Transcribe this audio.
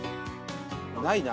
ないな。